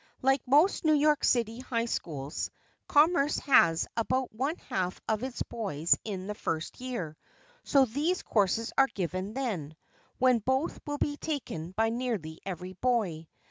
Like most New York City high schools, Commerce has about one half of its boys in the first year, so these courses are given then, when both will be taken by nearly every boy.